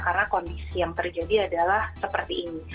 karena kondisi yang terjadi adalah seperti ini